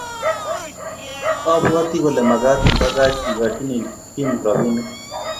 abwati kole magaat ibagaach igichini Kim robinik